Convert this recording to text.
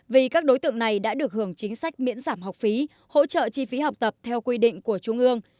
vì các đối tượng này đã được hưởng chính sách miễn giảm học phí hỗ trợ chi phí học tập theo quy định của trung ương